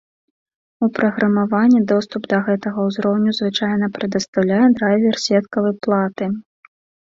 У праграмаванні, доступ да гэтага узроўню звычайна прадастаўляе драйвер сеткавай платы.